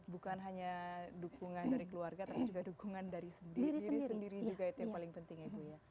bukan hanya dukungan dari keluarga tapi juga dukungan dari diri sendiri juga itu yang paling penting ya ibu ya